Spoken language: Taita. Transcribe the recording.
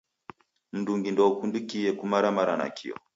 Mndungi ndoukundikie kumaramara nakio.